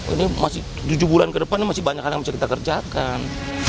ini masih tujuh bulan ke depan masih banyak yang bisa kita kerjakan